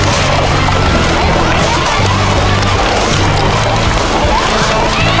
สาวเล็กตัวออกมานี่